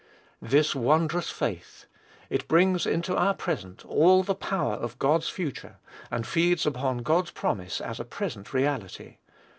This wondrous faith! It brings into our present all the power of God's future, and feeds upon God's promise as a present reality.